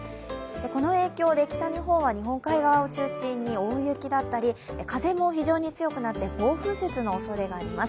この影響で北日本は日本海側を中心に大雪だったり風も非常に強くなって暴風雪のおそれがあります。